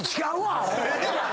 アホ！